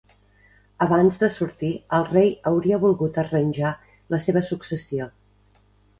Abans de sortir el rei hauria volgut arranjar la seva successió.